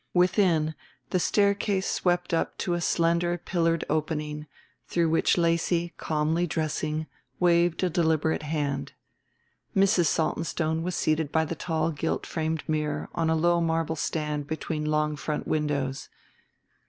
Within the staircase swept up to a slender pillared opening, through which Lacy, calmly dressing, waved a deliberate hand. Mrs. Saltonstone was seated by the tall gilt framed mirror on a low marble stand between long front windows.